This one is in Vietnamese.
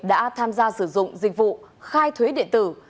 đã tham gia sử dụng dịch vụ khai thuế điện tử